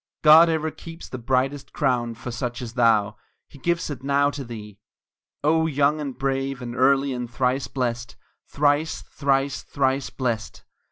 God ever keeps the brightest crown for such as thou He gives it now to thee! O young and brave, and early and thrice blest Thrice, thrice, thrice blest!